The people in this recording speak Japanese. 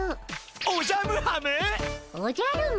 おじゃる丸。